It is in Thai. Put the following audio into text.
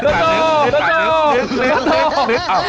น้ำตัว